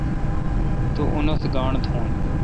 تو اونتھ گاݨڈ تھون۔